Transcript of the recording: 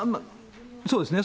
そうですね。